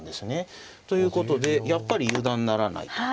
ということでやっぱり油断ならないと。